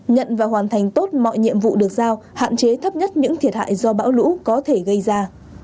nhận và hoàn thành tốt mọi nhiệm vụ được giao hạn chế thấp nhất những thiệt hại do bão lũ có thể gây ra